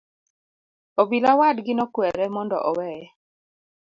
Obila wadgi nokwere mondo oweye.